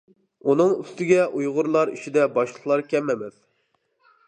ئۇنىڭ ئۈستىگە ئۇيغۇرلار ئىچىدە باشلىقلار كەم ئەمەس.